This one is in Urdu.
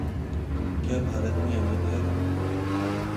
کیا بھارت میں امن ہے؟